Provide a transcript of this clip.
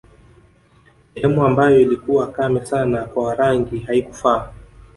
Sehemu ambayo ilikuwa kame sana kwa Warangi haikufaa